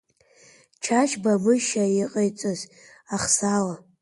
Чачба Мышьа иҟаиҵаз ахсаала…